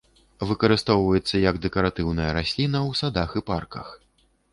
Выкарыстоўваецца як дэкаратыўная расліна ў садах і парках.